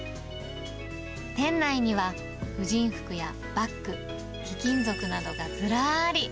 店内には婦人服やバッグ、貴金属などがずらーり。